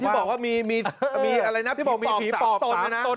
พี่บอกว่ามีอะไรนะพี่บอกมีผีปลอบจากตน